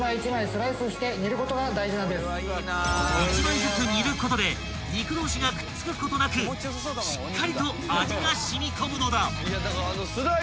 ［１枚ずつ煮ることで肉同士がくっつくことなくしっかりと味が染み込むのだ］